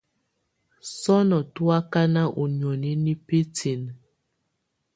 Sɔ́nɔ̀ tú ákáná ú nióni nɛ́ bǝ́tinǝ́.